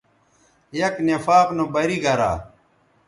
یک نفاق نو بری گرا